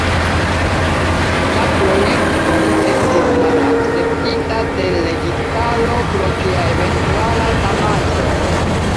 La projekton estis malakceptita de registaro pro tia eventuala damaĝo.